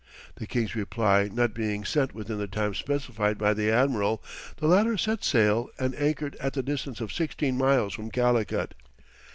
The king's reply not being sent within the time specified by the admiral, the latter set sail and anchored at the distance of sixteen miles from Calicut.